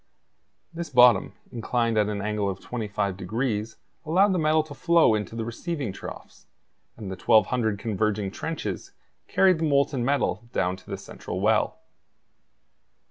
This bottom, inclined at an angle of 25 degrees, allowed the metal to flow into the receiving troughs; and the 1,200 converging trenches carried the molten metal down to the central well.